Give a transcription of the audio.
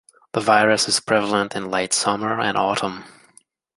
The virus is prevalent in late summer and autumn.